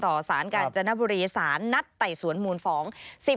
ต่อสารการจรารบุรีศาลนัทไต่สวนหมวนฟ้อง